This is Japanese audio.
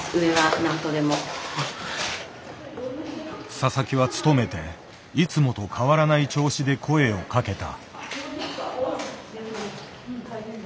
佐々木は努めていつもと変わらない調子で声をかけた。